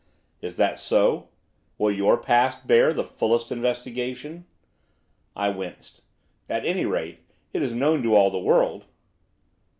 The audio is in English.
'Is that so? Will your past bear the fullest investigation?' I winced. 'At any rate, it is known to all the world.